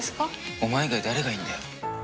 お前以外、誰がいんだよ。